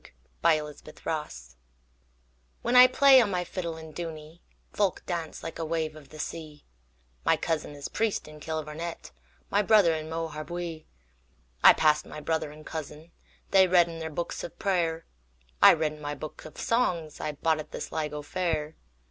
The Fiddler of Dooney WHEN I play on my fiddle in Dooney, Folk dance like a wave of the sea; My cousin is priest in Kilvarnet, My brother in Moharabuiee.I passed my brother and cousin:They read in their books of prayer;I read in my book of songsI bought at the Sligo fair.